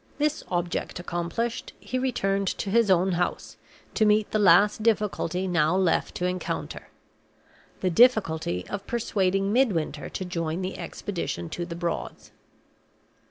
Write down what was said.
This object accomplished, he returned to his own house, to meet the last difficulty now left to encounter the difficulty of persuading Midwinter to join the expedition to the Broads.